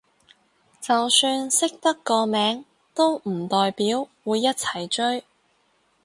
就算識得個名都唔代表會一齊追